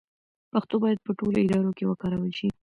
پښتو باید په ټولو ادارو کې وکارول شي.